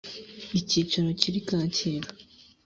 icyicaro kiri kacyiru